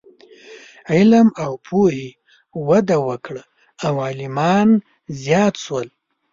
علم او پوهنې وده وکړه او عالمان زیات شول.